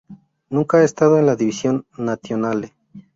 Nunca han estado en la Division Nationale.